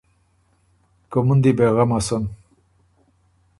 کُومُن دی بې غمه سُن۔